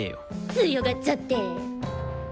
強がっちゃって。